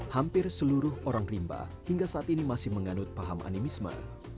hampir seluruh orang rimba hingga saat ini masih menganut paham animisme